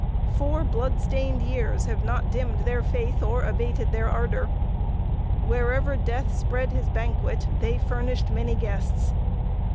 Four blood stained years have not dimmed their faith or abated their ardor. "Wherever Death spread his banquet, they furnished many guests."